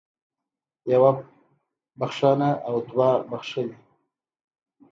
يوه پښه او دوه پښې